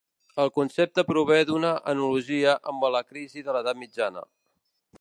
El concepte prové d'una analogia amb la crisi de la mitjana edat.